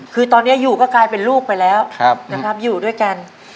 คือตอนนี้อยู่ก็กลายเป็นลูกไปแล้วนะครับอยู่ด้วยกัน